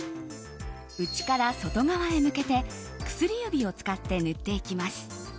内から外側へ向けて薬指を使って塗っていきます。